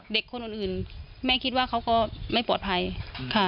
เด็กคนอื่นแม่คิดว่าเขาก็ไม่ปลอดภัยค่ะ